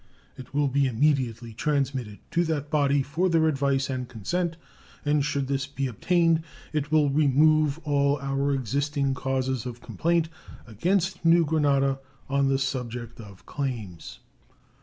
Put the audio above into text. It will be immediately transmitted to that body for their advice and consent, and should this be obtained it will remove all our existing causes of complaint against New Granada on the subject of claims.